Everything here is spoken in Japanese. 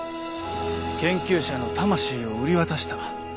研究者の魂を売り渡した。